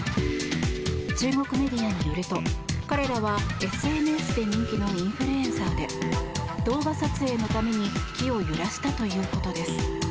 中国メディアによると彼らはＳＮＳで人気のインフルエンサーで動画撮影のために木を揺らしたということです。